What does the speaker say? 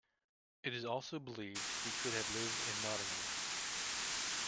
It is also believed he could have lived in Nottingham.